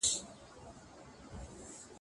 زه له سهاره د سبا لپاره د کور دندې بشپړوم!.